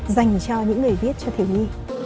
dành cho những người viết cho thiếu nhi